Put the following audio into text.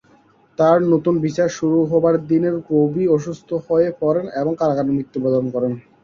তার নতুন বিচার শুরু হবার দিন রুবি অসুস্থ হয়ে পরেন এবং কারাগারে মৃত্যুবরণ করেন।